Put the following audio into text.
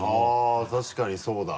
あっ確かにそうだ。